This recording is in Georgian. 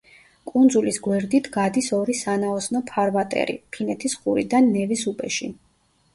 კუნძულის გვერდით გადის ორი სანაოსნო ფარვატერი, ფინეთის ყურიდან ნევის უბეში.